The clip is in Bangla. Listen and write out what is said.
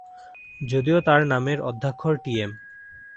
যদিও তার নামের আদ্যক্ষর টিএম।